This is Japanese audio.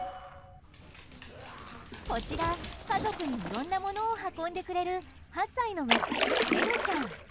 こちら、家族にいろんな物を運んでくれる８歳のメス、ベルちゃん。